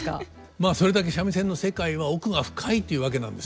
まあそれだけ三味線の世界は奥が深いというわけなんですよ。